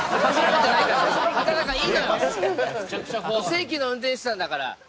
正規の運転手さんだから。